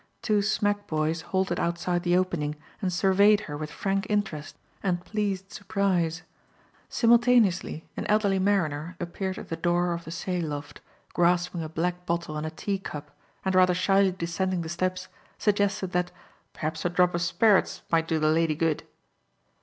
Two smack boys halted outside the opening and surveyed her with frank interest and pleased surprise. Simultaneously, an elderly mariner appeared at the door of the sail loft, grasping a black bottle and a tea cup, and rather shyly descending the steps, suggested that "perhaps a drop o' sperits might do the lady good."